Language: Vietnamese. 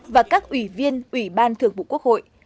và các ủy viên ủy ban thường vụ quốc hội